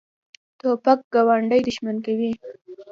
توپک ګاونډي دښمن کوي.